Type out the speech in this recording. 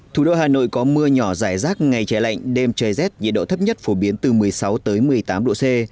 thủ đô hà nội có mưa nhỏ rải rác ngày trời lạnh đêm trời rét nhiệt độ thấp nhất phổ biến từ một mươi sáu một mươi tám độ c